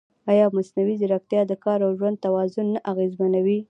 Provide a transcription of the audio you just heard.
ایا مصنوعي ځیرکتیا د کار او ژوند توازن نه اغېزمنوي؟